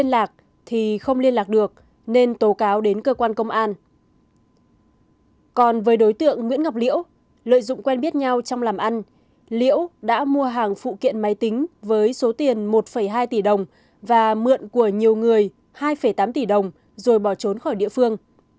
liễu đã mua hàng phụ kiện máy tính với số tiền một hai tỷ đồng và mượn của nhiều người hai tám tỷ đồng rồi bỏ trốn khỏi địa phương